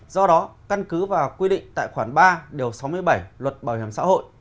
do đó căn cứ vào quy định tại khoản ba điều sáu mươi bảy luật bảo hiểm xã hội